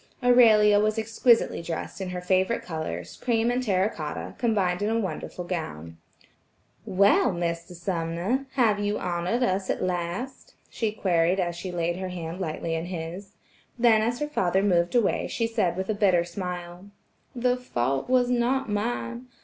Aurelia was exquisitely dressed in her favorite colors, cream and terra cotta, combined in a wonderful gown. "Well, Mr. Sumner, have you honored us at last?" she queried as she laid her hand lightly in his. Then as her father moved away she said with a bitter smile: "The fault was not mine.